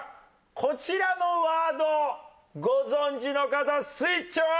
こちらのワードご存じの方スイッチオン！